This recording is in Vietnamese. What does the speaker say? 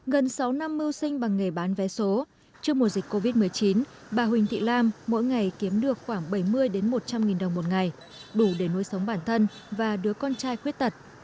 gần sáu năm mưu sinh bằng nghề bán vé số trước mùa dịch covid một mươi chín bà huỳnh thị lam mỗi ngày kiếm được khoảng bảy mươi một trăm linh nghìn đồng một ngày đủ để nuôi sống bản thân và đứa con trai khuyết tật